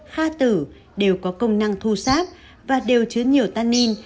kha tử đều có công năng thu sáp và đều chứa nhiều tanin